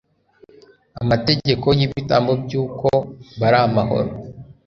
amategeko y'ibitambo by'uko bari amahoro